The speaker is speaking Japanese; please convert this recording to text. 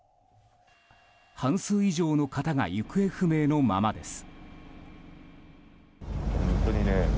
半数以上の方が行方不明のままです。